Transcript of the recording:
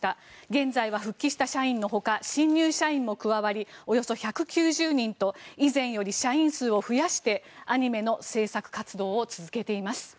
現在は復帰した社員のほか新入社員も加わりおよそ１９０人と以前より社員数を増やしてアニメの制作活動を続けています。